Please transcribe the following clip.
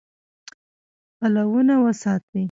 پلونه وساتئ